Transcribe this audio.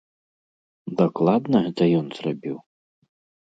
Дакладна гэта ён зрабіў?